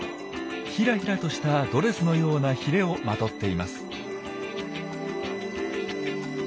ヒラヒラとしたドレスのようなヒレをまとっています。